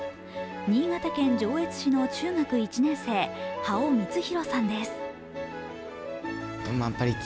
新潟県上越市の中学１年生、羽尾光博さんです。